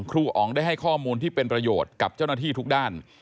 อ๋องได้ให้ข้อมูลที่เป็นประโยชน์กับเจ้าหน้าที่ทุกด้าน